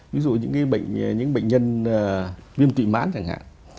ví dụ những bệnh nhân viêm trị mãn chẳng hạn